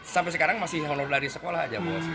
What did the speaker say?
sampai sekarang masih honor dari sekolah saja